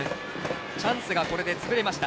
チャンスがこれで潰れました。